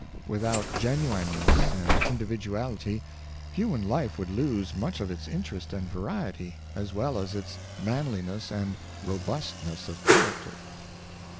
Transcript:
Without genuineness and in dividuality, human life would lose much of its interest and variety, as well as its manliness and robustness of character.